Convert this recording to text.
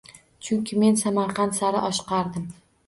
Chunki men Samarqand sari oshiqardim.